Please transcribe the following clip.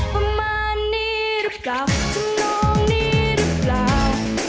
ประมาณนี้หรือเปล่าคุณน้องนี้หรือเปล่า